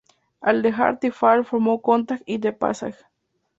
Al dejar The Fall, formó Contact y The Passage.